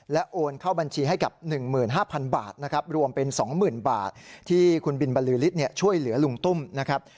และโอนเข้าบัญชีให้กับหนึ่งหมื่นห้าพันบาทนะครับรวมเป็นสองหมื่นบาทที่คุณบินบรรลือฤทธิ์เนี่ยช่วยเหลือลุงตุ้มนะครับ